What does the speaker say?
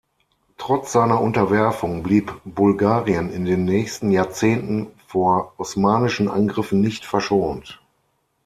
Trotz seiner Unterwerfung blieb Bulgarien in den nächsten Jahrzehnten vor osmanischen Angriffen nicht verschont.